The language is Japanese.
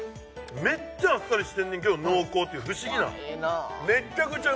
めっちゃあっさりしてんねんけど濃厚っていう不思議なわええなめっちゃくちゃ